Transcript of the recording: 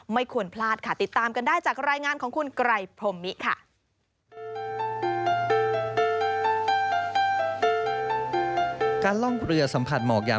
ไม่ควรพลาดค่ะติดตามกันได้จากรายงานของคุณไกรพรมมิค่ะ